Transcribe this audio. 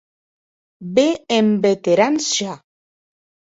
Be èm veterans ja!.